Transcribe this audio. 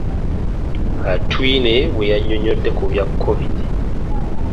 Atwine bwe yannyonnyodde ku bya Covid.